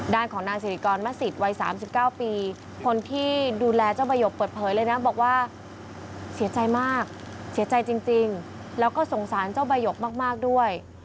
ด้านของนางสิริกรมศิษย์วัย๓๙ปีคนที่ดูแลเจ้าใบกเปิดเผยเลยนะบอกว่าเสียใจมากเสียใจจริงแล้วก็สงสารเจ้าใบกมากด้วย